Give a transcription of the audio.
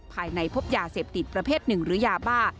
ภายในพบยาเสพติดประเภทหนึ่งหรือยาบ้า